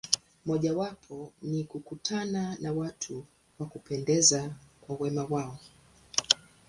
Mojawapo ni kukutana na watu wa kupendeza kwa wema wao.